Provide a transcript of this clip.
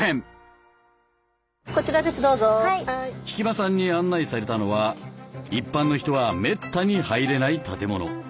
引間さんに案内されたのは一般の人はめったに入れない建物。